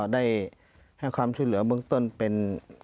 ได้ให้ความช่วยเหลือเบื้องต้นเป็น